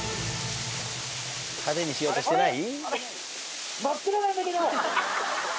派手にしようとしてない？